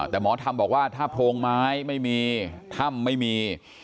แต่หมอธรรมบอกว่าถ้าโพรงไม้ไม่มีถ้ำไม่มี